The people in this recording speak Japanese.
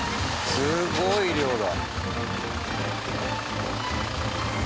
すごい量だ。